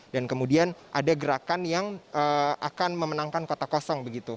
dan kemudian ada gerakan yang akan memenangkan kota kosong